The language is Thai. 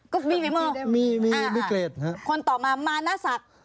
ก็มีเวิร์ดมีเวิร์ดเฮ้ะคนต่อมามานาสัก